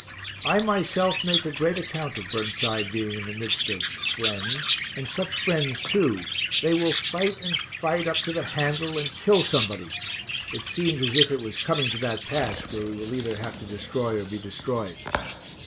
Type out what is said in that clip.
I myself make a great acc't of Burnside being in the midst of friends, and such friends too they will fight and fight up to the handle, and kill somebody (it seems as if it was coming to that pass where we will either have to destroy or be destroyed).